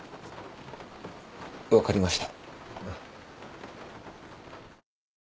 分かりました。